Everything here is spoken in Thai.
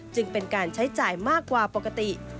จึงเป็นการใช้จ่ายมากกว่าปกติ